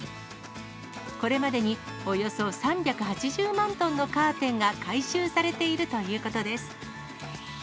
これまでにおよそ３８０万トンのカーテンが回収されているということです。